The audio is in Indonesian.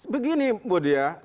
begini buat ya